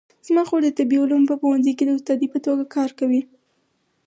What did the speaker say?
زما خور د طبي علومو په پوهنځي کې د استادې په توګه کار کوي